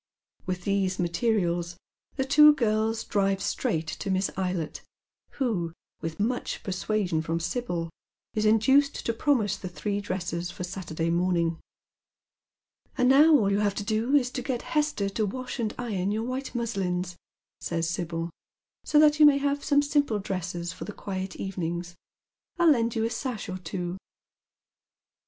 With these niatcrvilfl tlie two Marion is raised to Disiinclion 191 prirls drive straight to Miss Eylett, wlio, with much persuasion from Sibyl, is induced to promise the three dresses for Saturday morning. " And now all you have to do is to get Hester to wash and iron your white muslins," says Sibyl, " so that you may have some simple dresses for the quiet evenings. I'll lend you a sash or two."